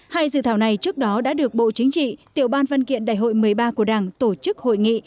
hai dự thảo này trước đó đã được bộ chính trị tiểu ban văn kiện đại hội một mươi ba của đảng tổ chức hội nghị